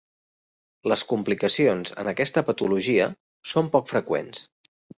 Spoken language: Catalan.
Les complicacions en aquesta patologia són poc freqüents.